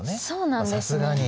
そうなんですね。